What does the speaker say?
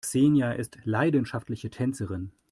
Xenia ist leidenschaftliche Tänzerin.